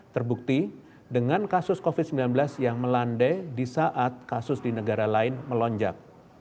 terbukti dengan kasus covid sembilan belas yang melandai di saat kasus di negara lain melonjak